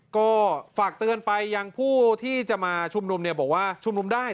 ก็ฝากเตือนไปยังผู้ที่จะมาชุมนุมเนี่ยบอกว่าชุมนุมได้